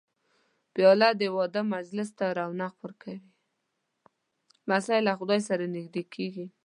لمسی له خدای سره نږدې کېږي.